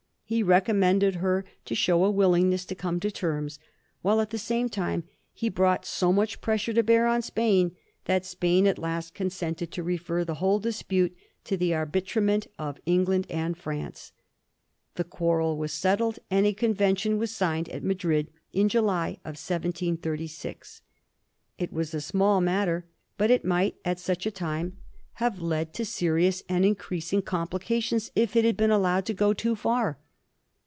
He recommended her to show a willingness to come to terms, while at the same time he brought so much pressure to bear on Spain that Spain at last consented to refer the whole dispute to the arbitra ment of England and France. The quarrel was settled, and a convention was signed at Madrid in July, 1736. It was a small matter, but it might at such a time have led 36 A HISTORY OF THE FOUR GEORGES. ch.zzii. to serious and increasing complications if it had been al lowed to go too far.